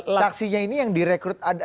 saksinya ini yang direkrut